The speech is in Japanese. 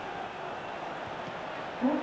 東京